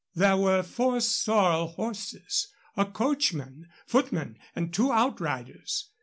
There were four sorrel horses, a coachman, footman, and two outriders.